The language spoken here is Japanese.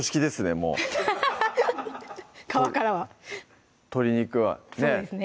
もう皮からは鶏肉はね